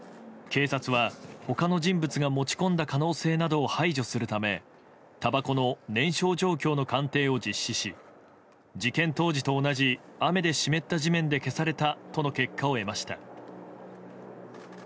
警察は、他の人物が持ち込んだ可能性などを排除するためたばこの燃焼状況の鑑定を実施し事件当時と同じ雨で湿った地面で消されたとの結果を得ました。